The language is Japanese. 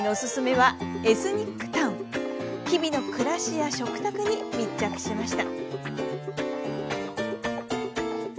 日々の暮らしや食卓に密着しました。